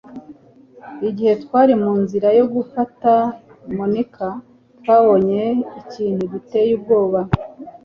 igihe twari mu nzira yo gufata monika, twabonye ikintu giteye ubwoba